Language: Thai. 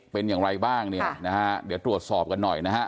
เป็นอย่างไรบ้างเนี่ยนะฮะเดี๋ยวตรวจสอบกันหน่อยนะฮะ